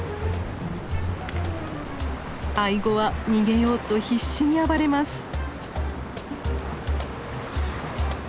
アイゴは逃げようと必死に暴れます。